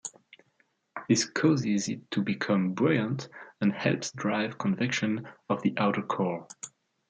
This causes it to become buoyant and helps drive convection of the outer core.